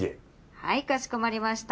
はいかしこまりました。